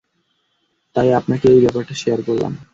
তাই আপনাকে এই ব্যাপারটা শেয়ার করলাম।